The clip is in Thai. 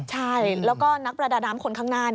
ใช่แล้วก็นักประดาน้ำคนข้างหน้า